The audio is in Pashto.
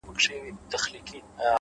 ټوله شپه خوبونه وي-